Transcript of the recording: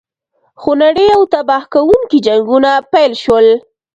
خونړي او تباه کوونکي جنګونه پیل شول.